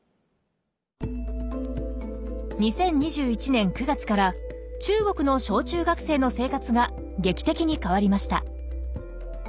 ２０２１年９月から中国の小中学生の生活が劇的に変わりました。